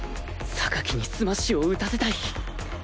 にスマッシュを打たせたい